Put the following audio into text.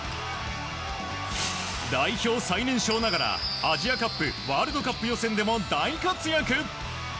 代表最年少ながらアジアカップワールドカップ予選でも大活躍。